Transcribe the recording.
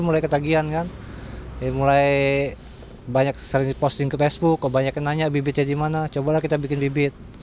mulai banyak posting ke facebook banyak nanya bibitnya di mana cobalah kita bikin bibit